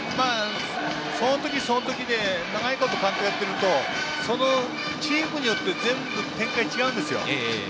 その時その時で長いこと監督をやっているとそのチームによって全部、展開違うんですよ。